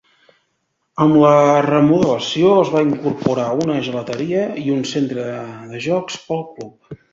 Amb la remodelació, es va incorporar una gelateria i un centre de jocs pel club.